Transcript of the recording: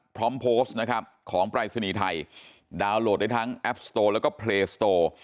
พร้อมโพสต์นะครับของปรายศนีย์ไทยดาวน์โหลดได้ทั้งแอปสโตแล้วก็เพลสโต